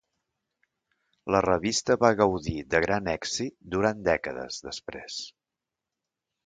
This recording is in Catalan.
La revista va gaudir de gran èxit durant dècades després.